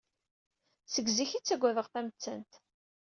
Seg zik ay ttagadeɣ tamettant.